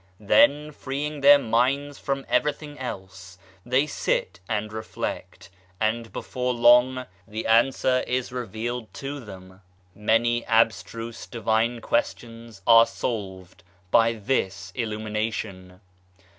Then, freeing their minds from every thing else, they sit and reflect, and before long the answer is revealed to them. Many abstruse divine questions are solved by this illumination.